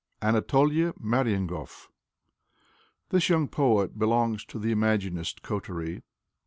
Anatoly Marienhof This young poet belongs to the Imagist coterie.